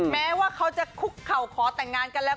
แม้ว่าเขาจะคุกเข่าขอแต่งงานกันแล้ว